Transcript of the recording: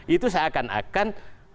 itu saya akan akan